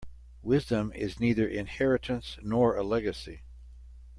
Wisdom is neither inheritance nor a legacy.